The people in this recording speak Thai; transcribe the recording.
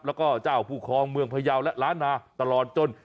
แล้วก็เจ้าผู้ครองเมืองพยาวและล้านนาตลอดจน